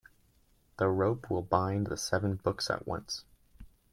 The rope will bind the seven books at once.